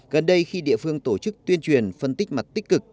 gần đây khi địa phương tổ chức tuyên truyền phân tích mặt tích cực